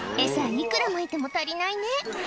いくらまいても足りないね